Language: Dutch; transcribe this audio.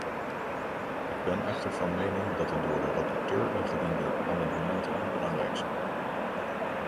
Ik ben echter van mening dat de door de rapporteur ingediende amendementen belangrijk zijn.